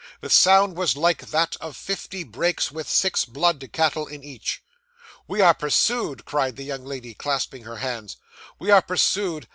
The sound was like that of fifty brakes, with six blood cattle in each. '"We are pursued!" cried the young lady, clasping her hands. "We are pursued.